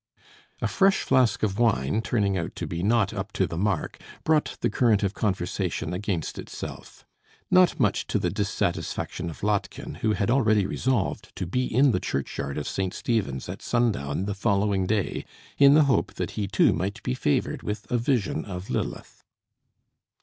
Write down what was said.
A fresh flask of wine, turning out to be not up to the mark, brought the current of conversation against itself; not much to the dissatisfaction of Lottchen, who had already resolved to be in the churchyard of St. Stephen's at sun down the following day, in the hope that he too might be favoured with a vision of Lilith.